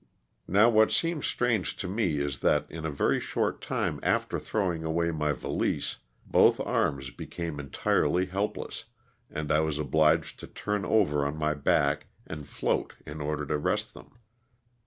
Now what seems strange to me is that in a very short time after throwing away my valise both arms became entirely helpless and I was obliged to turn over on my back and float in order to rest them.